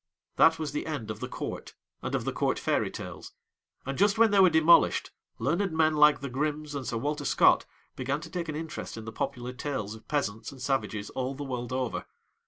That was the end of the Court and of the Court Fairy Tales, and just when they were demolished, learned men like the Grimms and Sir Walter Scott began to take an interest in the popular tales of peasants and savages all the world over.